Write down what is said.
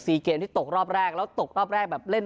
เกมที่ตกรอบแรกแล้วตกรอบแรกแบบเล่น